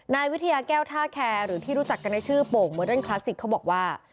นายวิทยาแก้วท่าแคร์หรือที่รู้จักกันในชื่อโป่งโมเดิร์นคลาสสิกเขาบอกว่า